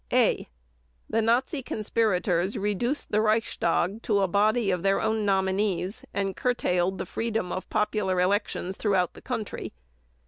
(a) The Nazi conspirators reduced the Reichstag to a body of their own nominees and curtailed the freedom of popular elections throughout the country.